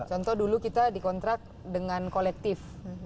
contoh dulu kita dikontrak dengan kolektif